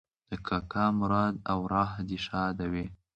د کاکا مراد اوراح دې ښاده وي